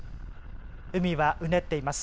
海はうねっています。